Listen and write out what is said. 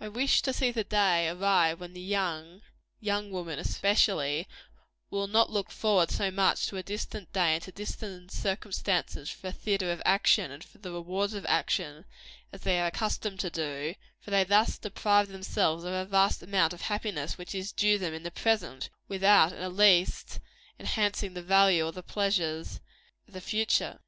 I wish to see the day arrive when the young young women, especially will not look forward so much to a distant day and to distant circumstances, for a theatre of action, and for the rewards of action, as they are accustomed to do; for they thus deprive themselves of a vast amount of happiness which is due them in the present, without in the least enhancing the value or the pleasures of the future.